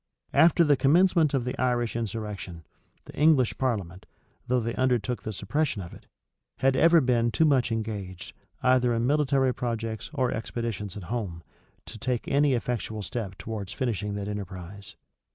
After the commencement of the Irish insurrection, the English parliament, though they undertook the suppression of it, had ever been too much engaged, either in military projects or expeditions at home, to take any effectual step towards finishing that enterprise.